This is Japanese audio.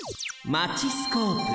マチスコープ。